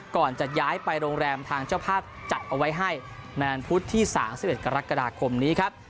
ก่อนจะย้ายไปโรงแรมทางเจ้าภาพจัดเอาไว้ให้ในวันพุธที่๓๑กรกฎาคมนี้ครับ